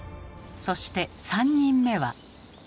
そして３人目は。